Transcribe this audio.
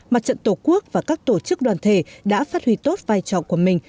mặt trận tổ quốc và các tổ chức đoàn thể đã phát huy tốt vai trò của mình